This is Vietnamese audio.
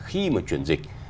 khi mà truyền dịch